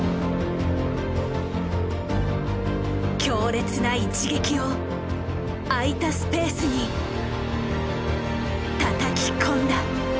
強烈な一撃を空いたスペースにたたき込んだ。